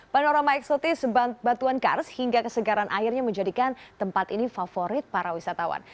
panorama eksotis batuan kars hingga kesegaran akhirnya menjadikan tempat ini favorit para wisatawan